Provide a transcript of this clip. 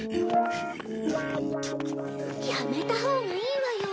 やめたほうがいいわよ。